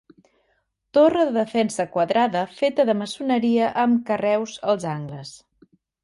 Torre de defensa quadrada feta de maçoneria amb carreus als angles.